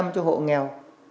ba mươi cho hộ nghèo